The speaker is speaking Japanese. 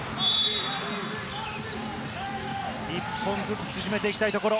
１本ずつ縮めていきたいところ。